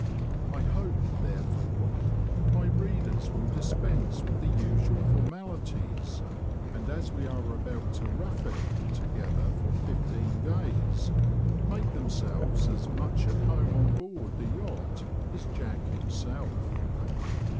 I hope, therefore, my readers will dispense with the usual formalities, and as we are about to " rough " it together for fifteen days, make themselves as much at home on board the yacht as Jack himself.